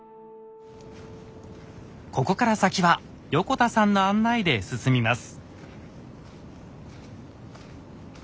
ここから先は横田さんの案内で進みます。